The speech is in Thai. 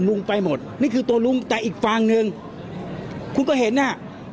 ลุงไปหมดนี่คือตัวลุงแต่อีกฝั่งหนึ่งคุณก็เห็นน่ะ